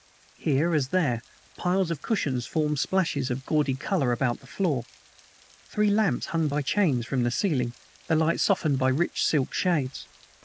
Here, as there, piles of cushions formed splashes of gaudy color about the floor. Three lamps hung by chains from the ceiling, their light softened by rich silk shades.